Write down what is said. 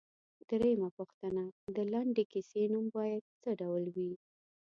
درېمه پوښتنه ـ د لنډې کیسې نوم باید څه ډول وي؟